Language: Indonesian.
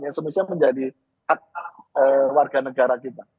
yang semestinya menjadi hak warga negara kita